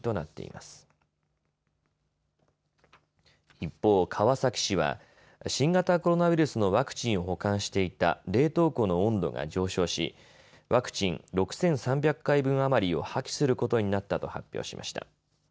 一方、川崎市は新型コロナウイルスのワクチンを保管していた冷凍庫の温度が上昇しワクチン６３００回分余りを廃棄することになったと発表しました。